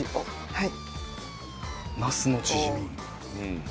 はい。